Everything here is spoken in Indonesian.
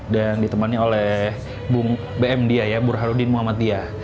dan ditemani oleh bung bm dia ya bur harudin muhammad dia